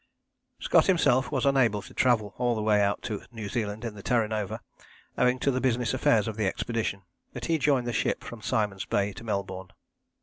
Scott himself was unable to travel all the way out to New Zealand in the Terra Nova owing to the business affairs of the expedition, but he joined the ship from Simon's Bay to Melbourne.